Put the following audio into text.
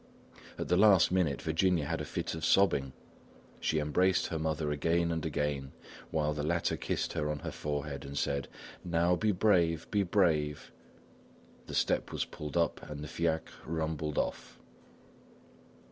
At the last minute, Virginia had a fit of sobbing; she embraced her mother again and again, while the latter kissed her on her forehead, and said: "Now, be brave, be brave!" The step was pulled up and the fiacre rumbled off.